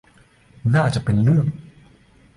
น่าจะเป็นเรื่อง